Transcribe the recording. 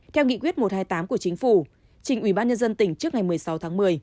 theo nghị quyết một trăm hai mươi tám của chính phủ trình ubnd tỉnh trước ngày một mươi sáu tháng một mươi